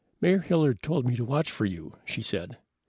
"Mayor Hilliard told me to watch for you," she said.